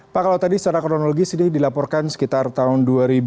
pak kalau tadi secara kronologis ini dilaporkan sekitar tahun dua ribu dua